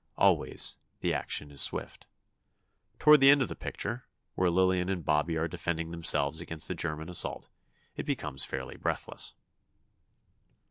Always, the action is swift. Toward the end of the picture, where Lillian and Bobby are defending themselves against a German assault, it becomes fairly breathless.